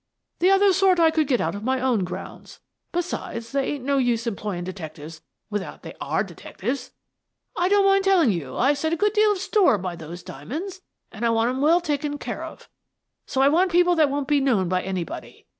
The other sort I could get out of my own grounds. Besides, there ain't no use employin' detectives without they are detectives. I don't mind tellin' you, I set a good deal of store by those diamonds, an' I want them well taken care of. So I want people that won't be known by anybody.